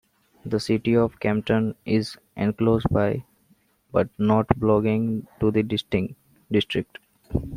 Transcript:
The city of Kempten is enclosed by, but not belonging to the district.